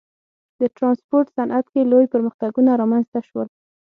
د ټرانسپورت صنعت کې لوی پرمختګونه رامنځته شول.